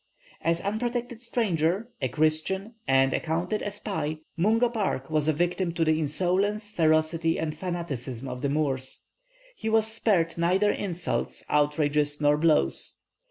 An unprotected stranger, a Christian, and accounted a spy, Mungo Park was a victim to the insolence, ferocity, and fanaticism of the Moors. He was spared neither insults, outrages, nor blows.